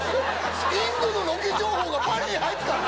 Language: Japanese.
インドのロケ情報がパリに入ってたの？